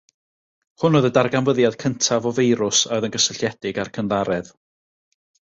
Hwn oedd y darganfyddiad cyntaf o feirws a oedd yn gysylltiedig â'r cynddaredd.